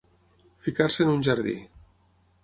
Ficar-se en un jardí.